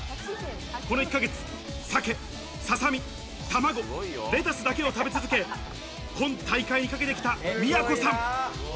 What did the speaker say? この１ヶ月、鮭、ささみ、卵、レタスだけを食べ続け、今大会にかけてきた都さん。